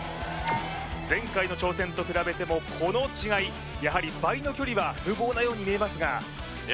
前回の挑戦と比べてもこの違いやはり倍の距離は無謀なように見えますがいや